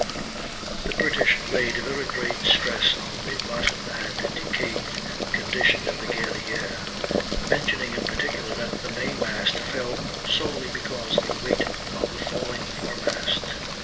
The British laid very great stress on the rotten and decayed condition of the Guerrière; mentioning in particular that the mainmast fell solely because of the weight of the falling foremast.